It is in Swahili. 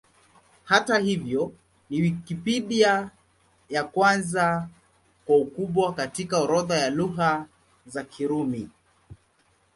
Hata hivyo, ni Wikipedia ya kwanza kwa ukubwa katika orodha ya Lugha za Kirumi.